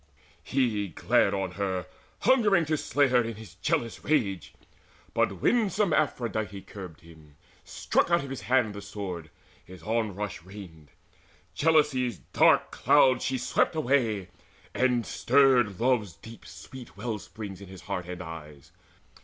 He glared on her, Hungering to slay her in his jealous rage. But winsome Aphrodite curbed him, struck Out of his hand the sword, his onrush reined, Jealousy's dark cloud swept she away, and stirred Love's deep sweet well springs in his heart and eyes.